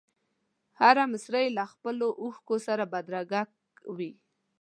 هره مسره یې له خپلو اوښکو سره بدرګه وي.